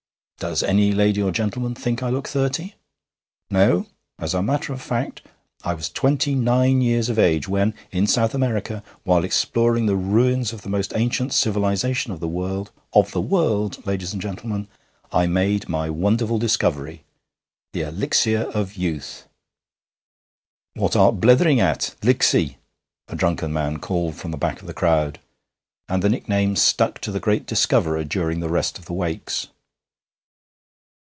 Does any lady or gentleman think I look thirty? No! As a matter of fact, I was twenty nine years of age when, in South America, while exploring the ruins of the most ancient civilization of the world of the world, ladies and gentlemen I made my wonderful discovery, the Elixir of Youth!' 'What art blethering at, Licksy?' a drunken man called from the back of the crowd, and the nickname stuck to the great discoverer during the rest of the Wakes.